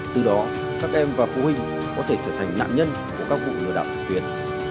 từ đó các em và phụ huynh có thể trở thành nạn nhân của các vụ lừa đảo trực tuyến